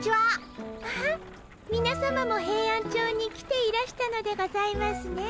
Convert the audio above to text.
あっみなさまもヘイアンチョウに来ていらしたのでございますね。